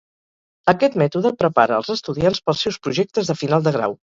Aquest mètode prepara als estudiants pel seus projectes de final de grau.